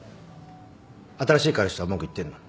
新しい彼氏とはうまくいってんの？